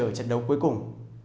ở trận đấu cuối cùng